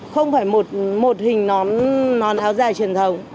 không phải một hình nón áo dài truyền thống